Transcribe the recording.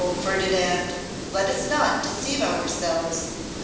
Ferdinand, let us not deceive ourselves.